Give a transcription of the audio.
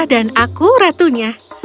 dan aku ratunya